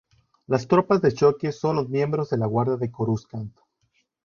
Las tropas de choque son los miembros de la Guardia de Coruscant.